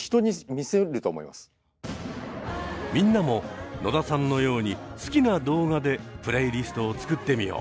みんなも野田さんのように好きな動画でプレイリストを作ってみよう。